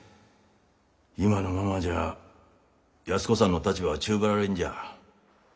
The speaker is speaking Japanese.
今のままじゃあ安子さんの立場は宙ぶらりんじゃ。